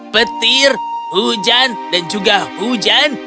petir hujan dan juga hujan